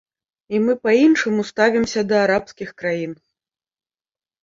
І мы па-іншаму ставімся да арабскіх краін.